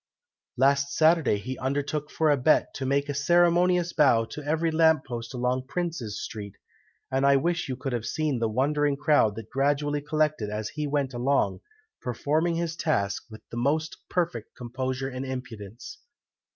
Last Saturday he undertook for a bet to make a ceremonious bow to every lamp post along Prince's Street, and I wish you could have seen the wondering crowd that gradually collected as he went along, performing his task with the most perfect composure and impudence."